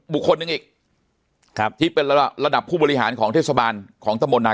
บุคคลหนึ่งอีกครับที่เป็นระดับผู้บริหารของเทศบาลของตะมนต์นาย